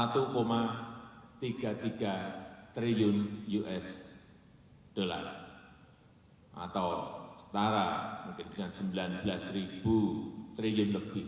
tiga tiga triliun usd atau setara mungkin dengan sembilan belas ribu triliun lebih